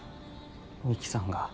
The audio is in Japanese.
美樹さんが？